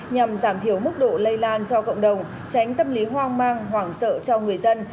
nhằm giảm thiểu mức độ lây lan cho cộng đồng tránh tâm lý hoang mang hoảng sợ cho người dân